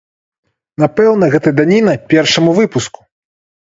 Напэўна, гэта даніна першаму выпуску.